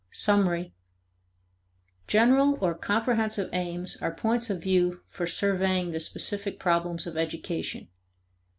Summary. General or comprehensive aims are points of view for surveying the specific problems of education.